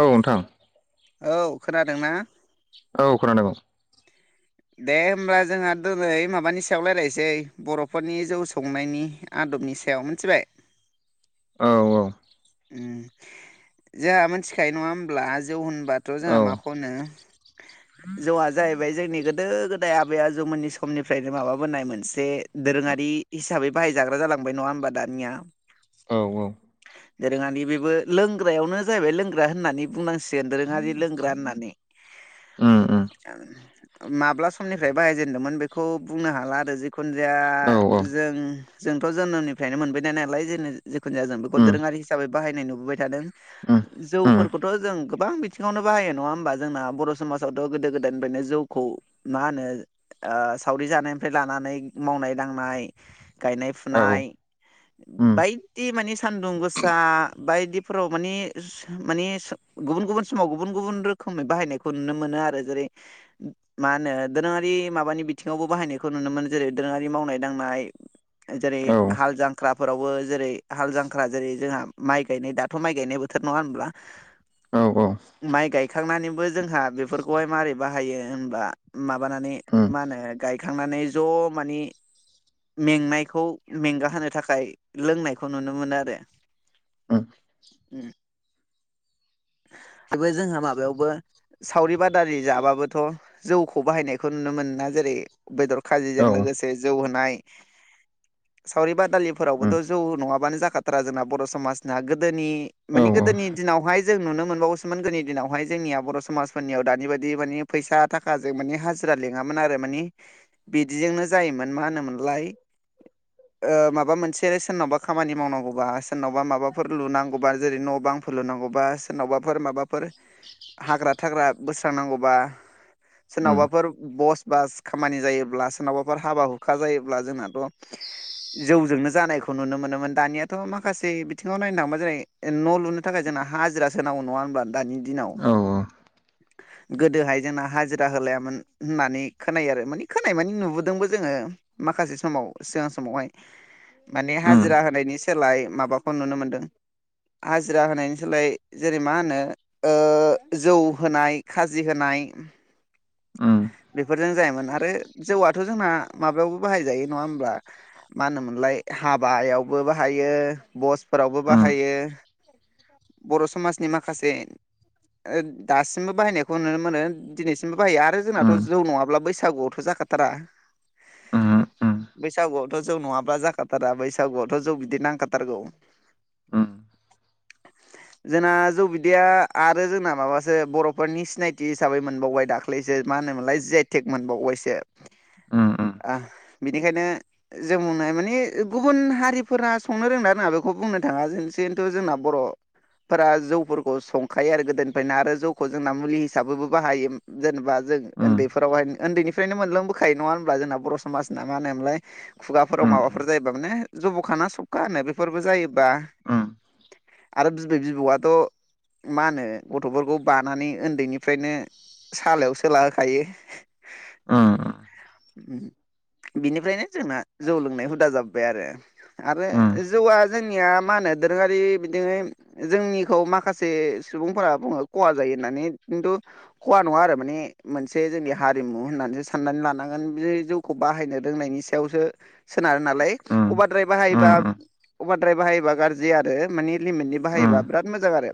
औ नोंथां। औ खोनादों ना? औ खानादों। दे होमबब्ला जोंहा दिनै माबानि सायाव राय्लायनोसै बर'फोरनि जौ संनायनि आदबनि सायाव मोनथिबाय। औ औ। जोंहा मोनथिखायो नंङा होमब्ला जौ होनबाथ' औ जोंहा माखौ होनो। [unintelligible] जौआ जाहैबाय जोंनि गोदो गोदाय आबैया जौमोननि समनिफ्रायनो माबाबोनाय मोनसे दोरोङारि हिसाबै बाहायजाग्रा जालांबाय नङा होमबा दानिया औ औ दोरोङारि बेबो लोंग्रायावनो जाहैबाय लोंग्रा होननानै बुंनांसिगोन दोरोंङारि लोंग्रा होननानै उम उम [unintelligible] माब्ला समनिफ्राय बाहायजेनदोंमोन बेखौ बुंनो हाला आरो जिखुनु जाया औ औ जों जोंथ' जोनोमनिफ्रायनो मोनबायनाय नालाय जों जिेखुनु जाया जों बेखौ उम दोरोङारि हिसाबै बाहायनाय नुबोबाय थादों उम उम जौफोरखौथ' जों गोबां बिथिङावनो बाहायो नङा होमबा जोंना बर' समाजावथ' गोदो गोदायनिफ्रायनो जौखौ मा होनो सावरि जानायनिफ्राय लानानै मावनाय दांनाय गायनाय औ फुनाय उम बायदि माने सान्दुं गोसो [unintelligible] बायदिफोराव माने माने गुबुन गुबुन समाव गुबुन गुबुन रोखोमै बाहायनायखौ नुनो मोनो आरो जेरै मा होनो दोरोंङारि माबानि बिथिङावबो बाहायनायखौ नुनो मोनो जेरै दोरोंङारि मावनाय दांनाय जेरै औ हाल जांख्राफोरावबो जेरै हाल जांख्रा जेरै जोंहा माइ गायनाय दाथ' माइ गायनाय बोथोर नङा होनब्ला औ औ माइ गायखांनानैबो जोंहा बेफोरखौहाय माबारोरै बाहायो होनबा माबानानै उम मा होनो गायखांनानै ज' माने मेंनायखौ मेंगाहोनो थाखाय लोंनायखौ नुनो मोनो आरो उम बेबो जोंहा माबायावबो सावरि बादारि जाबाबोथ' जौखौ बाहायनायखौ नुनो मोना जेरै बेदर खाजिजों उम औ लोगोसे जौ होनाय सावरि उम बादालिफोरावबोथ' जौ नङाबानो जाखाथारा जोंना बर' समाजनाहा गोदोनि औ उम औ माने गोदोनि दिनावहाय जों नुनो मोनबावसोमोन गोदनि दिनावहाय जोंनिया बर' समाजफोरनियाव दानि बायदि माने फैसा थाखाजों माने हाजिरा लिङामोन आरो माने बिदिजोंनो जायोमोन मा होनोमोनलाय [inaudible] माबा मोनसे सोरनावबा खामानि मावनांगौबा सोरनावबा माबाफोर लुनांगौबा जेरै न' बांफोर लुनांगौबा सोरनावबाफोर माबाफोर हाग्रा थाग्रा बोस्रांनांगौबा सोरनावबाफोर बस बास खामानि जायोब्ला सोरनावबाफोर हाबा हुखा जायोब्ला जोंनाथ' जौजोंनो जानायखौ नुनो मोनोमोन दानियाथ' माखासे बिथिंङाव नायनो थांबा जेरै न' लुनो थाखाय जोंना हाजिरासोनांगौ नङा होनब्ला दानि दिनाव गोदोहाय जोंना हाजिरा होलायामोन होननानै खोनायो आरो माने खोनाय माने नुबोदोंबो जोंङो माखासे समाव सिगां समावहाय माने उम हाजिरा होनायनि सोलाय माबाखौ नुनो मोनदों हाजिरा होनायनि सोलाय जेरै मा होनो जौ होनाय खाजि होनाय उम उम बेफोरजों जायोमोन आरो जौआथ' जोंना माबायावबो बाहायजायो नंङा होमब्ला मा होनोमोनलाय हाबायावबो बाहायो बसफोरावबो उम उम बाहायो बर' समाजनि माखासे दासिमबो बाहायनायखौ नुनो मोनो दिनैसिमबो बाहायो आरो जोंनाथ' जौ नङाब्ला बैसागुआवथ' जाखाथारा उम उम बैसागुआवथ' जौ नंङाब्ला जाखाथारा बैसागुआवथ' जौ बिदि नांखाथारगौ उम [unintelligible] जोंना जौ बिदैया आरो जोंना माबासो बर'फोरनि सिनायथि हिसाबै मोनबावबाय दाख्लै दाख्लैसो मा होनोमोनलाय जि आइ थेक मोनबावबायसो उम उम उम बिनिखायनो जों बुंनाय माने गुबुन हारिफोरा संनो रोंना रोङा बेखौ बुंनो थाङा जोंसेन्थु जोंना बर' फोर जौफोरखौ संखायो आरो गोदोनिफ्रायनो आरो जौखौ जोंना मुलि हिसाबैबो बाहायो जेनेबा जों उम उन्दैफोरावहाय उन्दैनिफ्रायनो मोनलोंबोखायो नङा होनब्ला जोंना बर' समाज ना मा होनोमलाय खुगाफोराव माबाफोर जायोबा माने जब'खाना सब माहोनो बेफोरबो जायोबा आरो बिबै बिबौआथ' मा होनो गथ'फोरखौ बानानै उन्दैनिफ्रायनो सालायावसो सोलाहोखायो। उम उम बिनिफ्रायनो जोंना जौ लोंनाय हुदा जाबोबाय आरो। आरो जौआ जोंनिया मा होनो दोरोङारि बिदिनोै जोंनिखौ माखासे सुबुंफोरा बुङो खहा जायो होननानै खिन्थु खहा नङा आरो माने मोनसे जोंनि हारिमु होननानैसो साननानै लानांगोन बे जौखौ बाहायनो रोंनायनि सायाव बेयावसो सोनारो नालाय अबारद्राय बाहायोबा उम अभारद्राइ बाहायोबा गाज्रि आरो मानि लिमिटनि बाहायोबा बिराद मोजां आरो।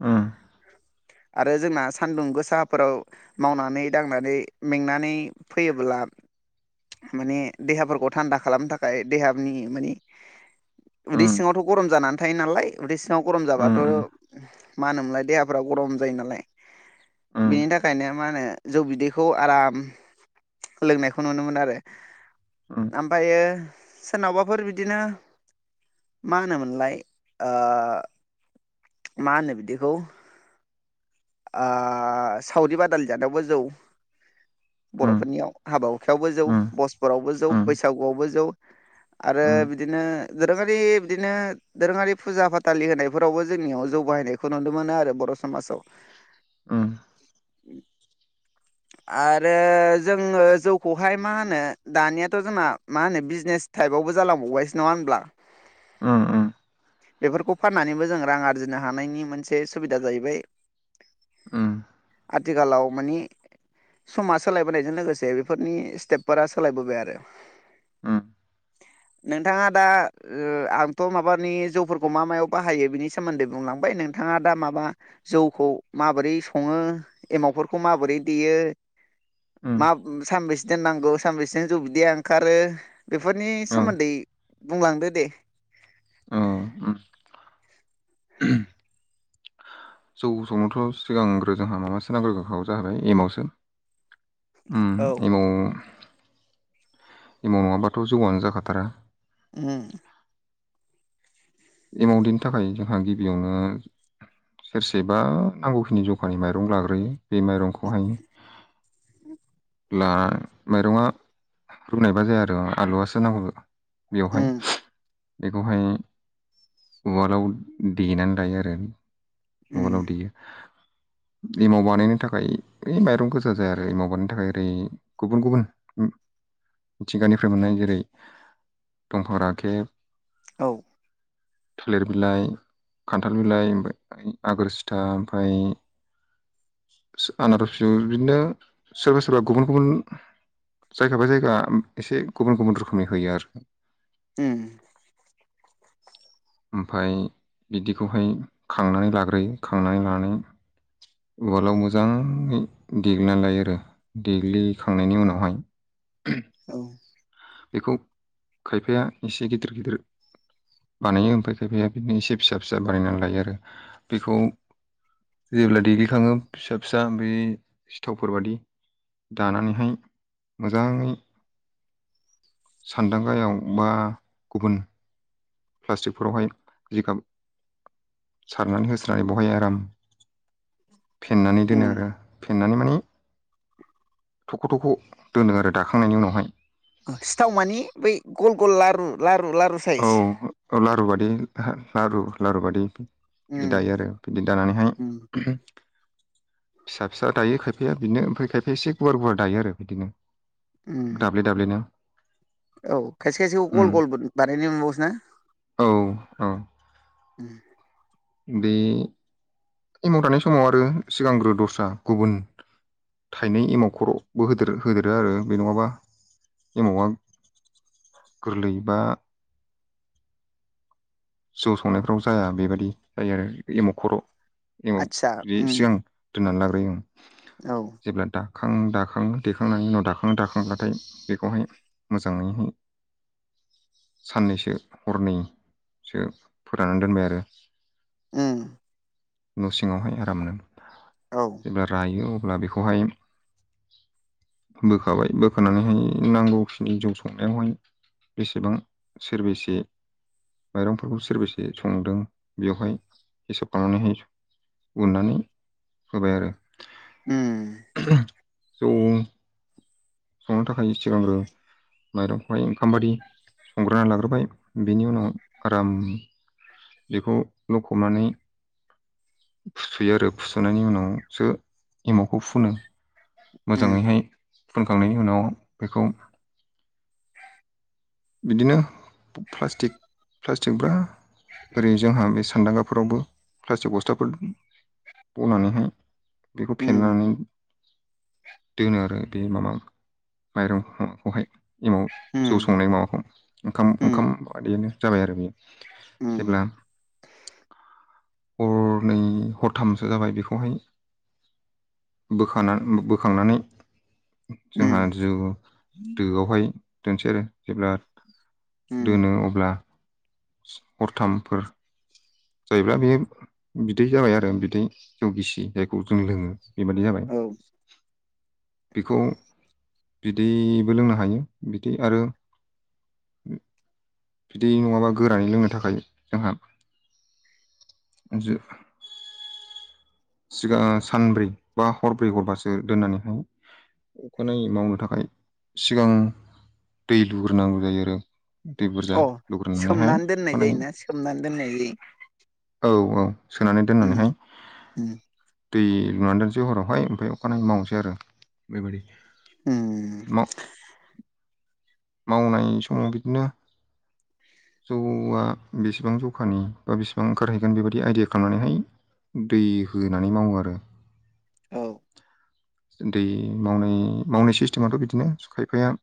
उम। आरो जोंना सान्दुं गोसाफोराव मावनानै दांनानै मेंनानै फैयोब्ला माने देहाफोरखौ थान्दा खालामनो थाखाय देहानि मानि उदै उम सिङावथ' गरम जानानै थायो नालाय उदै सिङाव गरम जाबाथ' मा होनोमोनलाय देहाफ्रा गरम जायो नालाय। बिनि थाखायनो मा होनो जौ बिदैखौ आराम लोंनायखौ नुनो मोनो आरो ओमफ्रायो सोरनावबाफोर बिदिनो मा होनोमोनलाय ओ मा होनो बिदिखौ ओ सावरि बादालि जानायावबो जौ बर'फोरनियाव हाबा हुखायावबो जौ, भसफोरावबो जौ, बैसागुआवबो जौ। आरो बिदिनो दोरोङारि बिदिनो दोरोङारि फुजा फाथालि होनायफोरावबो जोंनियाव जौ बाहायनायखौ नुनो मोनो आरो बर' समाजाव। ओम। [inaudible] आरो जोङो जौखौहाय मा होनो दानियाथ' जोंना मा होनो बिजनेस टाइपआवबो जालांबावबायसो नङा होनब्ला? ओम ओम। बेफोरखौ फाननानैबो जों रां आरजिनो हानायनि मोनसे सुबिदा जाहैबाय। ओम। आथिखालाव मानि समा सोलायबोनायजों लोगोसे बेफोरनि स्टेपफोरा सोलायबोबाय आरो। ओम। नोंथाङा दा ओ आंथ' माबानि जौफोरखौ मा मायाव बाहायो बिनि सोमोन्दै बुंलांबाय नोंथाङा दा माबा जौखौ माबोरै सङो एमावफोरखौ माबोरै देयो उम मा सानबेसे दोननांगौ सानबैसेजों जौ बिदिया ओंखारो बेफोरनि औ सोमोन्दै बुंलांदो दे। औ उम [unintelligible] जौ संनोथ' सिगांग्रो जोंहा माबासो नांग्रोगोखागौ जाहैाय एमावसो। ओम औ एमाव एमाव नङाबाथ' जौआनो जाखाथारा। ओम। एमाव देशों थाखाय जोंहा गिबियावनो सेरसे बा नांगौखिनि जखानि माइरं' लाग्रोयो बे माइरं'खौहाय ला माइरं'आ रुनायबा जाया आरो आलुवासो नांगौ। बेवहाय उम बेखौहाय उवालाव देनानै दायो आरो उम उवालाव देयो। [inaudible] एमाव बानायनो थाखाय ओ माइरं गोजा जाया आरो एमाव बानायनो थाखाय ओरै गुबुन गुबुन मिथिंगानिफ्राय मोननाय जेरै दंफां राखेब औ थालिर बिलाइ खान्थाल बिलाइ ओमफाय आगोर सिथा ओमफाय आनारस बिजौ बिदिनो सोरबा सोरबा गुबुन गुबुन जायगा बाय जायगा एसे गुबुन गुबुन रोखोमनि होयो आरो। ओम। ओमफाय बिदिखौहाय खांनानै लाग्रोयो खांनानै लानानै उवालाव मोजाङै देग्लिनानै लायो आरो देग्लिखांनायनि उनावहाय [inaudible] औ बेखौ खायफाया एसे गिदिर गिदिर बानायो ओमफाय खायफाया बिदिनो एसे फिसा फिसा बानायनानै लायो आरो। बेखौ जेब्ला देग्लिखाङो फिसा फिसा ओमफ्राय सिथावफोर बादि दानानैहाय मोजाङै सान्दांगायाव बा गुबुन प्लास्टिकफोरावहाय जिगाब सारनानै होस्रानै बेवहाय आराम फेन्नानै उम दोनो आरो फेन्नानै माने थख' थख' दोनो आरो दाखांनायनि उनावहाय। सिथाव मानि बै गल गल लारु लारु लारु साइज औ औ लारु बादि लारु लारु बादि। बिदि उम दायो आरो बिदि दानानैहाय उम फिसा फिसा दायो खायफाया बिदिनो ओमफ्राय खायफाया एसे गुवार गुवार दायो आरो बिदिनो। उम दाब्ले दाब्लेनो औ खायसे खायसेखौ उम गल गलबो बानायनो मोनबावसो ना? औ औ। उम बे एमाव दानाय समाव आरो सिगांग्रो दस्रा गुबुन थाइनै एमाव खर'बो होदेर होदेरो आरो बे नङाबा एमावा गोरलै बा जौ संनायफ्राव जाया बेबायदि जायो आरो एमाव खर' एमाव आदसा बि उम सिगां दोननानै लाग्रोयो ओं। औ जेब्ला दाखां दाखां देखांनायनि उनाव दाखां दाखांब्लाथाय बेखौहाय मोजाङैहै साननैसो हरनै सो फोराननानै दोनबाय आरो। उम। न' सिङावहाय आरामनो। औ जेब्ला रायो अब्ला बेखौहाय बोखाबाय बोखानानैहाय नांगौखिनि जौ संनायावहाय बेसेबां सेरबेसे माइरंफोरखौ सोरबसे संदों बेयावहाय हिसाब खालामनानै हाय उननानै होबाय आरो। उम। जौ संनो थाखाय सिगांग्रो माइरंखौहाय ओंखामबादि संग्रोना लाग्रोबाय बेनि उनाव आराम बेखौ लखबनानै फुसुयो आरो फुसुनायनि उनावसो एमावखौ फुनो। उम मोजाङैहाय फुनखांनायनि उनाव बेखौ बिदिनो प्लास्टिक प्लास्टिक ब्रा ओरै जोंहा बे सान्दांगाफोरावबो प्लास्टिक बस्थाफोर बनानैहाय बेखौ उम फेनानै दोनो आरो बे मामा माइरं हं खौहाय एमाव जौ उम संनाय मा हम ओंखाम उम ओंखाम बादिनो जाबाय आरो बे। उम जेब्ला हरनै हरथामसो जाबाय बेखौहाय बोखाना बोखांनानै। जोंहा उम जौउ दोआवहाय दोननोसै आरो। जेब्ला उम दोनो अब्ला हरथामफोर जायोब्ला बेयो बिदै जाबाय आरो बिदै जौ गिसि जायखौ जों लोङो बेबायाददि जाबाय। औ बिखौ बिदैबो लोंनो हायो। बिदै आरो बिदि नङाबा गोरानै लोंनो थाखाय जोंहा जु सिगां सानब्रै बा हरब्रै हरबासो दोननानैहाय अखानायै मावनो थाखाय सिगां दै लुग्रोनांगौ जायो आरो। दै बुरजा अ लुग्रोनानैहाय सोमनानै दोननाय अखानायै जायोना सोमनानै दोननाय जायो। औ औ सोनानै उम दोननानैहाय उम दै लुनानै दोनसै हरावहाय ओमफ्राय अखानायै मावनोसै आरो बेबायदि उम मा मावनाय समाव बिदिनो जौआ बिसिबां जखानि बा बिसिबां ओंखारहैगोन बेबायदि आइडिया खालामनानैहाय दै होनानै मावो आरो। औ दै मावनाय मावनाय सिस्टेमाथ' बिदिनो खायफाया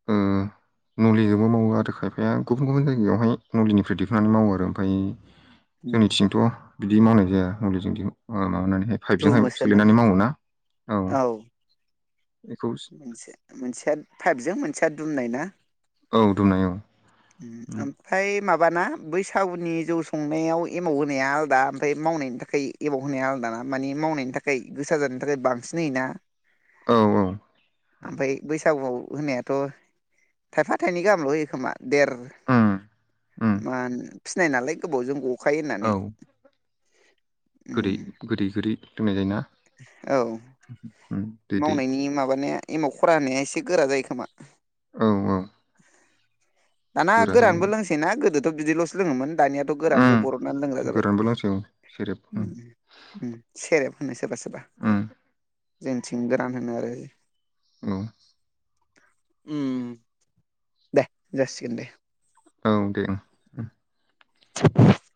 [inaudible] मुलिजोंबो मावो आरो खायफाया गुबुन गुबुन जायगायावहाय मुलिनिफ्राय दिखांनानै मावो आरो। ओमफाय उम जोंनिथिंथ बिदि मावनाय जाया मुलिजों जों ओ माबानानै- बे पाइभजोंहाय दुमोसोना सोलिनानै मावो ना औ बेखौ सो मोनसे मोनसेया पाइपजों मोनसेया दुमनाय ना! औ दुमनाय ओङ- आ [inaudible] है माबाना बैसागुनि जौ संनायाव एमाव होनाया आलादा ओमफ्राय मावनायनि थाखाय- एमाव होनाया आलादाना माने मावनायनि थाखाय गोसा जानायनि थाखाय बांसिन होयोना- औ औ! ओमफ्राय बैसागुआव होनायाथ' थाइफा थाइनै गाहामल' होयो खोमा! देर उम उम मान फिनाय नालाय गोबावजों गखायो औ होननानै- गोदै उम गोदै गोदै लोंनाय जायोना! औ! ओम- मावनायनि माबानाया एमाव खरा होनाया एसे गोरा जायो खोमा! औ औ! दाना गोरा जायो गोरानबो लोंसैना गोदोथ' बिदिल'सो लोङोमोन दानियाथ' गोरानबो उम बर'ना लोंग्रा जाबाय! गोरानबो लोंसै औ सेरेब उम ओम ओम सेरेब होनो सोरबा -सोरबा! उम जोंथिं गोरान होनो आरो- औ! उम- दे जासिगोन दे! औ दे ओङ- [inaudible] [inaudible]